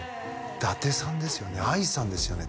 伊達さんですよね愛さんですよね